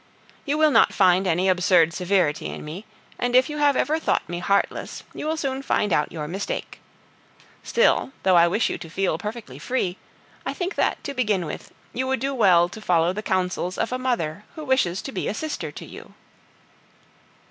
You will not find any absurd severity in me; and if you have ever thought me heartless, you will soon find out your mistake. Still, though I wish you to feel perfectly free, I think that, to begin with, you would do well to follow the counsels of a mother, who wishes to be a sister to you."